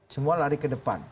semua lari ke depan